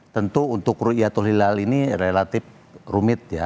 tentu untuk rukyatul hilal ini relatif rumit ya